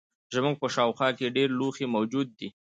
زموږ په شاوخوا کې ډیر لوښي موجود دي.